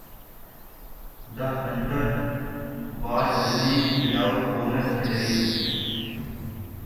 "The Hunter" was released without bonus material.